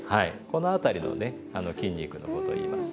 この辺りのね筋肉のことをいいます。